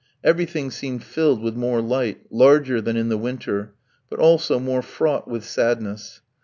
Everything seemed filled with more light, larger than in the winter, but also more fraught with sadness.